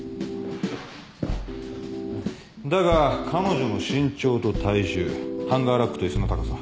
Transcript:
だが彼女の身長と体重ハンガーラックと椅子の高さ。